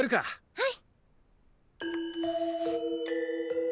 はい！